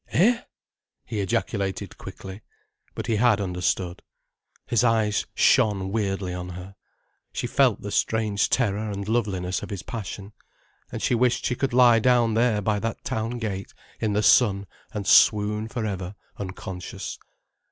"Eh?" he ejaculated quickly. But he had understood. His eyes shone weirdly on her. She felt the strange terror and loveliness of his passion. And she wished she could lie down there by that town gate, in the sun, and swoon for ever unconscious.